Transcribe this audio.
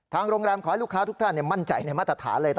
โรงแรมขอให้ลูกค้าทุกท่านมั่นใจในมาตรฐานเลย